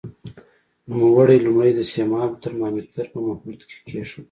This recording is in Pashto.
نوموړی لومړی د سیمابو ترمامتر په مخلوط کې کېښود.